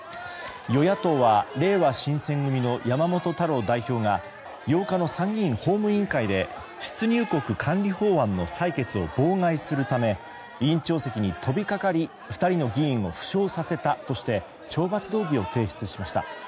与野党はれいわ新選組の山本太郎代表が８日の参議院本会議で出入国管理法案の採決を妨害するために委員長席にとびかかり２人の議員を負傷させたとして懲罰動議を提出しました。